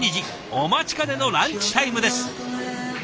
お待ちかねのランチタイムです。